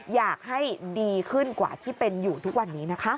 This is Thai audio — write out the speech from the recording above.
อยากให้ดีขึ้นกว่าที่เป็นอยู่ทุกวันนี้นะคะ